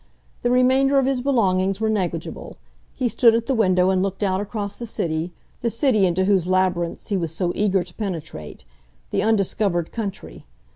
The remainder of his belongings were negligible. He stood at the window and looked out across the city, the city into whose labyrinths he was so eager to penetrate the undiscovered country.